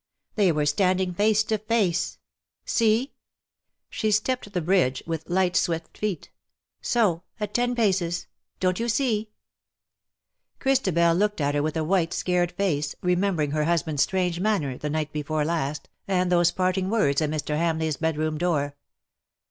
They were standing face to face. See !"— she stepped the bridge with DUEL OR MURDER ? 51 light swift feet —'^ so ! at ten paces. Dou^t you see r Christabel looked at her with a white scared face, remembering her husband's strange manner the night before last, and those parting words at Mr. Hamleigh's bedroom door.